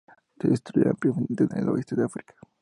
Se distribuye ampliamente en el este de África.